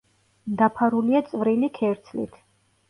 დაფარულია წვრილი ქერცლით.